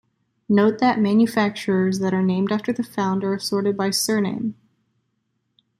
Note that manufacturers that are named after the founder are sorted by surname.